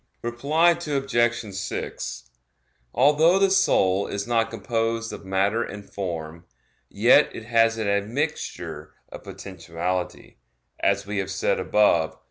Reply Obj. 6: Although the soul is not composed of matter and form, yet it has an admixture of potentiality, as we have said above (Q.